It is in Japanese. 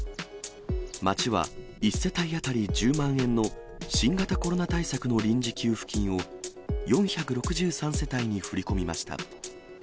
町は１世帯当たり１０万円の新型コロナ対策の臨時給付金を、４６３世帯に振り込みました。